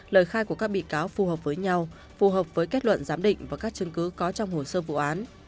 lời khai của các bị cáo phù hợp với nhau phù hợp với kết luận giám định và các chứng cứ có trong hồ sơ vụ án